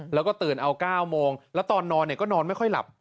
แล้วก็ตื่นเอา๙โมงแล้วตอนนอนก็นอนไม่ค่อยหลับ